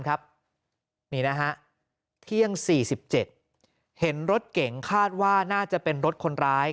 นี่นะฮะเที่ยง๔๗เห็นรถเก๋งคาดว่าน่าจะเป็นรถคนร้าย